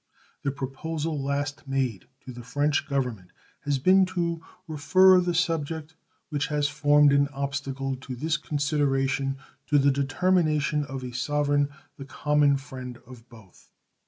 The proposal last made to the French Government has been to refer the subject which has formed an obstacle to this consideration to the determination of a sovereign the common friend of both.